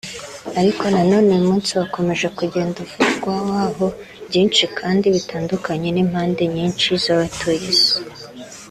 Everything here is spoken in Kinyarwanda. Ariko na none uyu munsi wakomeje kugenda uvugawaho byinshi kandi bitandukanye n’impande nyinshi z’abatuye Isi